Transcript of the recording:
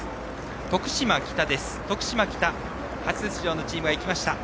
徳島北、初出場のチームが行った。